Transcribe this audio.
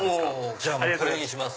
じゃあこれにします。